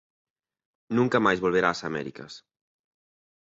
Nunca máis volverá ás Américas.